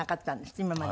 今まで。